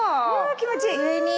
気持ちいい！